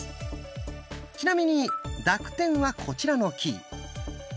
ちなみに濁点はこちらのキー。